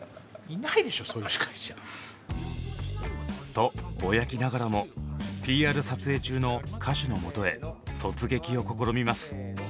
とぼやきながらもＰＲ撮影中の歌手のもとへ突撃を試みます。